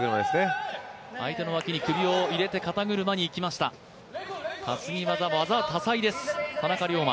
相手の脇に首を入れて肩車にいきました、担ぎ技、多彩です田中龍馬。